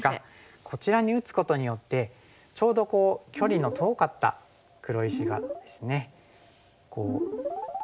こちらに打つことによってちょうど距離の遠かった黒石がですねこう。